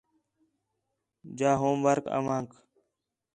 جا ہوم ورک اوانک